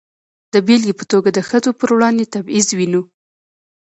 د بېلګې په توګه د ښځو پر وړاندې تبعیض وینو.